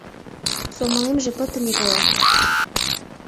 — Сомылемже пытыме гаяк.